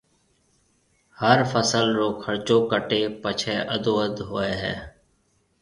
هر فصل رو خرچو ڪٽيَ پڇيَ اڌواڌ هوئي هيَ۔